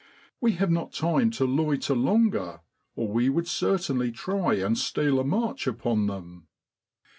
We have not time to loiter longer or we would certainly try and steal a march upon them.